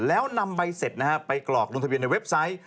แล้วนำใบเสร็จนะฮะไปกรอกลงทะเบียนในเว็บไซต์